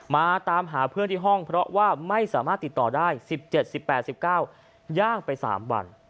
มาตามหาเพื่อนที่ห้องเพราะว่าไม่สามารถติดต่อได้๑๗๑๘๑๙ย่างไป๓วัน